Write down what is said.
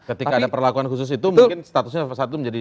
ketika ada perlakuan khusus itu mungkin statusnya persatu menjadi